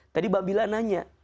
tadi mbak bila nanya